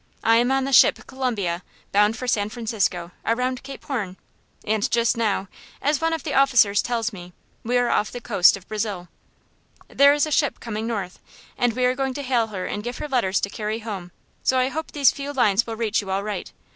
I am on the ship Columbia, bound for San Francisco, around Cape Horn; and just now, as one of the officers tells me, we are off the coast of Brazil. "There is a ship coming north, and we are going to hail her and give her letters to carry home, so I hope these few lines will reach you all right.